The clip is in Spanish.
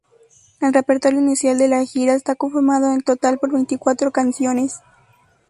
El repertorio inicial de la gira está conformado en total por veinticuatro canciones.